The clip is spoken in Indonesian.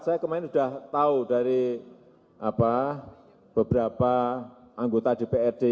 saya kemarin sudah tahu dari beberapa anggota di prd